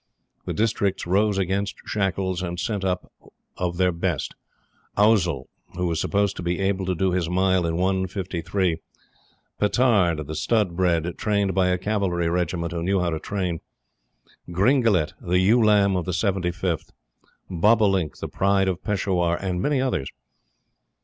The Districts rose against Shackles and sent up of their best; Ousel, who was supposed to be able to do his mile in 1 53; Petard, the stud bred, trained by a cavalry regiment who knew how to train; Gringalet, the ewe lamb of the 75th; Bobolink, the pride of Peshawar; and many others.